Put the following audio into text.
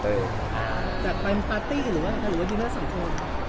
แต่เป็นปาร์ตี้หรือว่าหรือว่าดินเนอร์สำคัญ